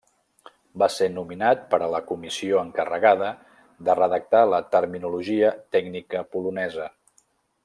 Va ser nominat per a la comissió encarregada de redactar la terminologia tècnica polonesa.